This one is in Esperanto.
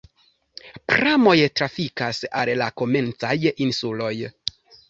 Pramoj trafikas al la komencaj insuloj.